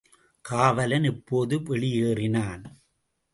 காவலன் இப்போது வெளியேறினான்.